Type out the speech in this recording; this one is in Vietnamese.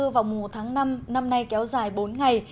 vào mùa tháng năm năm nay kéo dài bốn ngày